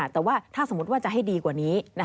แต่ว่าถ้าสมมุติว่าจะให้ดีกว่านี้